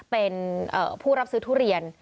เป็นผู้รับซื้อทุเรียน